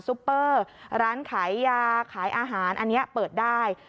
ปเปอร์ร้านขายยาขายอาหารอันนี้เปิดได้